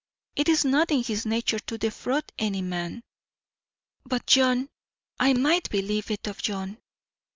It is not in his nature to defraud any man; but John I might believe it of John.